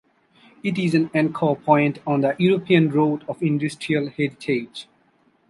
It is an anchor point on the European Route of Industrial Heritage.